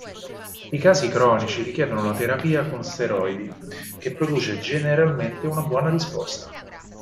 I casi cronici richiedono la terapia con steroidi, che produce generalmente una buona risposta.